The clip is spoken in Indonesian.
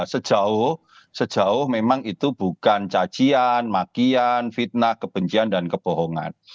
sejauh memang itu bukan cacian makian fitnah kebencian dan kebohongan